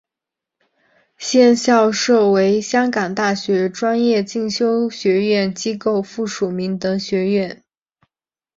现校舍为香港大学专业进修学院机构附属明德学院。